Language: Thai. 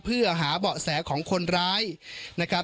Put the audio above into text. เพื่อหาเบาะแสของคนร้ายนะครับ